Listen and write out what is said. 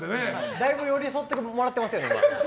だいぶ寄り添ってもらってますよね。